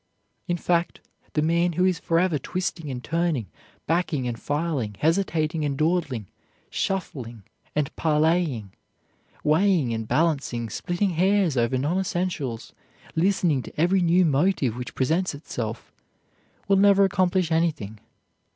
In fact, the man who is forever twisting and turning, backing and filling, hesitating and dawdling, shuffling and parleying, weighing and balancing, splitting hairs over non essentials, listening to every new motive which presents itself, will never accomplish anything.